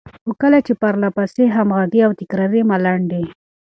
خو کله چې پرلهپسې، همغږې او تکراري ملنډې،